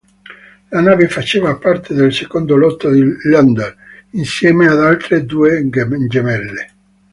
La nave faceva parte del secondo lotto di Leander, insieme ad altre due gemelle.